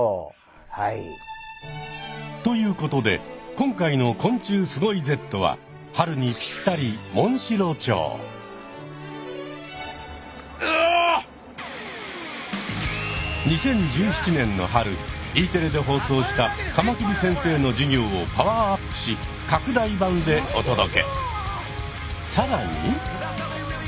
ということで今回の「昆虫すごいＺ」は春にぴったり２０１７年の春Ｅテレで放送したカマキリ先生の授業をパワーアップしさらに！